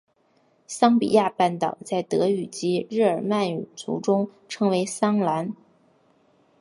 桑比亚半岛在德语及日耳曼语族中称为桑兰。